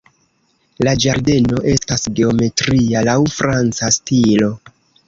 La ĝardeno estas geometria laŭ franca stilo.